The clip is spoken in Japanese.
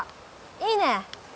いいね！